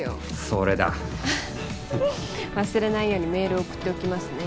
それだ忘れないようにメール送っておきますね